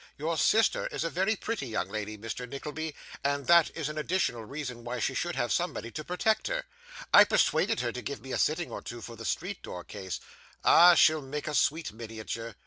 Your sister is a very pretty young lady, Mr. Nickleby, and that is an additional reason why she should have somebody to protect her. I persuaded her to give me a sitting or two, for the street door case. 'Ah! she'll make a sweet miniature.